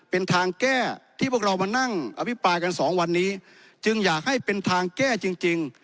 เป็นทางแก้ที่พวกเรามานั่งอภิปรายกันสองวันนี้จึงอยากให้เป็นทางแก้จริง